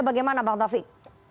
bagaimana bang taufik